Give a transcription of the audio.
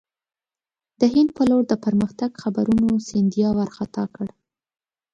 د هند پر لور د پرمختګ خبرونو سیندیا وارخطا کړ.